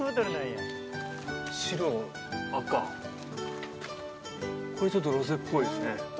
白赤これちょっとロゼっぽいですね